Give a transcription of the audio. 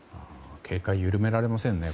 警戒、緩められませんね。